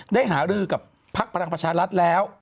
ได้หารือกับภักดิ์พลังประชารัฐแล้ว